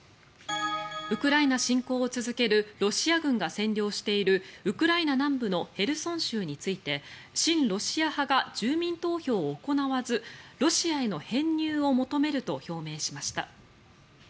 ウクライナ侵攻を続けるロシア軍が占領しているウクライナ南部のヘルソン州について親ロシア派が住民投票を行わずロシアへの編入を求めると表明しました。